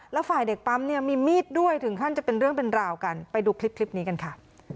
แล้วฝ่ายเด็กปั๊มเนี่ยมีมีดด้วยถึงขั้นจะเป็นเรื่องเป็นราวกันไปดูคลิปนี้กันค่ะ